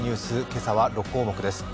今朝は６項目です。